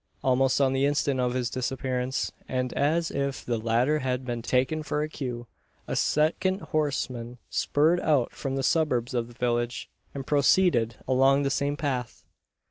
Almost on the instant of his disappearance and as if the latter had been taken for a cue a second horseman spurred out from the suburbs of the village; and proceeded along the same path.